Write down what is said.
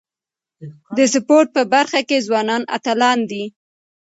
د سپورت په برخه کي ځوانان اتلان دي.